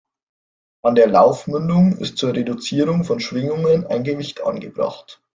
An der Laufmündung ist zur Reduzierung von Schwingungen ein Gewicht angebracht.